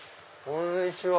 こんにちは。